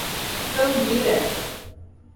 Cambira